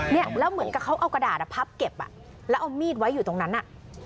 เนี่ยแล้วเหมือนกับเขาเอากระดาษอ่ะพับเก็บอ่ะแล้วเอามีดไว้อยู่ตรงนั้นอ่ะ